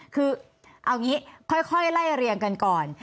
คือเอางี้ค่อยไล่เรียงกันก่อน